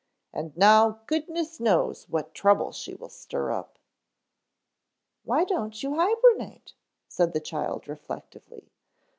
And now goodness knows what trouble she will stir up." "Why don't you hibernate?" said the child reflectively.